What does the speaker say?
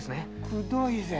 くどいぜ！